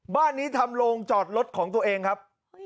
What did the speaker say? บ้านนี้ทำโรงจอดรถของตัวเองครับ